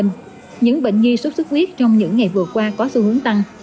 những bệnh di sốt sốt huyết trong những ngày vừa qua có xu hướng tăng